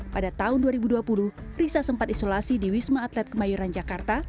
pada tahun dua ribu dua puluh risa sempat isolasi di wisma atlet kemayoran jakarta